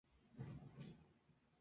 Where's the beef?